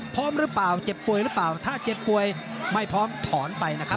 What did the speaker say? พร้อมหรือเปล่าเจ็บป่วยหรือเปล่าถ้าเจ็บป่วยไม่พร้อมถอนไปนะครับ